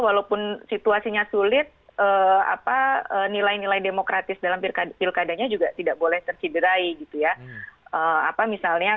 walaupun situasinya sulit nilai nilai demokratis dalam pilkadanya juga tidak boleh tercederai gitu ya